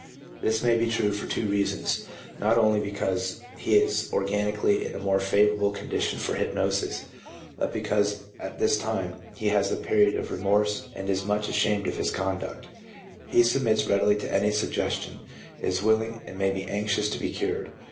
1 This may be true for two reasons: not only because he is organically in a more favourable condition for hyp nosis, but because at this time he has a period of remorse and is much ashamed of his conduct. He submits readily to any suggestion, is willing and may be anxious to be cured.